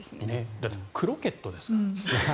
だってクロケットですから。